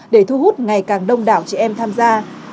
để thu hút ngày càng đông đảo chị em tham gia